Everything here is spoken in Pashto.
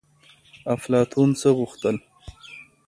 افلاطون څه غوښتل؟